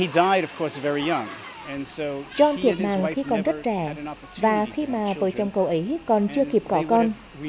trong thiệt mạng khi còn rất trẻ và khi mà vợ chồng cậu ấy còn chưa kịp có con